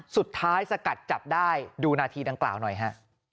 สกัดจับได้ดูนาทีดังกล่าวหน่อยฮะ